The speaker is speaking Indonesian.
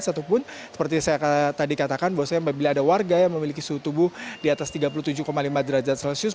ataupun seperti saya tadi katakan bahwasanya bila ada warga yang memiliki suhu tubuh di atas tiga puluh tujuh lima derajat celcius